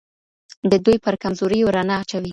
د دوی پر کمزوریو رڼا اچوي